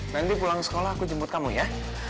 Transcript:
nanti pulang sekolah aku jemput kamu ya